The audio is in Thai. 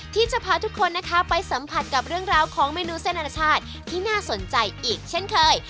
ที่จะพาทุกคนนะคะไปสัมผัสกับเรื่องราวของเมนูเส้นอนาชาติที่น่าสนใจอีกเช่นเคย